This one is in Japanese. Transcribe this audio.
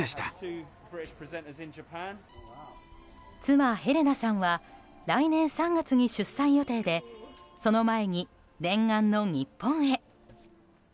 妻ヘレナさんは来年３月に出産予定でその前に念願の日本へ。